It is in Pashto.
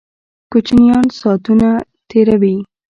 کوچینان ساتونه تیروي